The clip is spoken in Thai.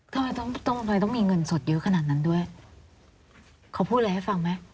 ทำไมต้องต้องทำไมต้องมีเงินสดเยอะขนาดนั้นด้วยเขาพูดอะไรให้ฟังไหม